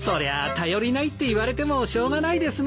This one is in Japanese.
頼りないって言われてもしょうがないですね。